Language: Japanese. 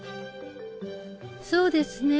そうですね。